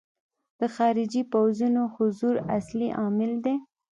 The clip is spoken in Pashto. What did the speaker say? د خارجي پوځونو حضور اصلي عامل دی.